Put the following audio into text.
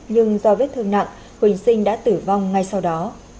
nhưng do vết thương nặng huỳnh sinh đã tử vong ngay sau đó